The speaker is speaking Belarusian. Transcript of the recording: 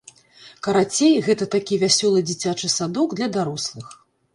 Карацей, гэта такі вясёлы дзіцячы садок для дарослых.